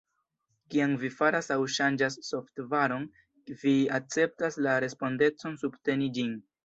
Kiam vi faras aŭ ŝanĝas softvaron, vi akceptas la respondecon subteni ĝin.